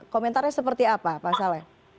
komentarnya seperti apa pak saleh